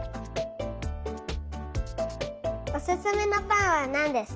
おすすめのぱんはなんですか？